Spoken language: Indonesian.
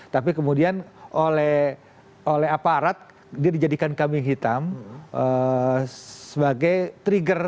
tapi kemudian oleh aparat dia dijadikan kambing hitam sebagai trigger